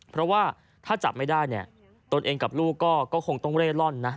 เพราะว่าถ้าจับไม่ได้เนี่ยตนเองกับลูกก็คงต้องเร่ร่อนนะ